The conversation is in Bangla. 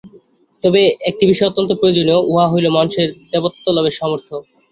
তবে একটি বিষয় অত্যন্ত প্রয়োজনীয়, উহা হইল মানুষের দেবত্বলাভের সামর্থ্য।